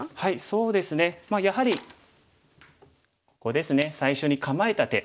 そうですねやはりここですね最初に構えた手。